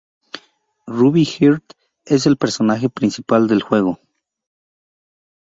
Ruby Heart es el personaje principal del juego.